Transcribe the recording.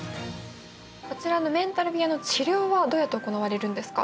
こちらのメンタル冷えの治療はどうやって行われるんですか？